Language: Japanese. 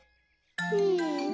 うん。